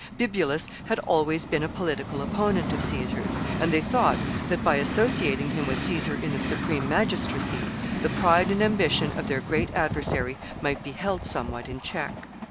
Bibulus had always been a political opponent of Caesar's, and they thought that, by associating him with Caesar in the supreme magistracy, the pride and ambition of their great adversary might be held somewhat in check.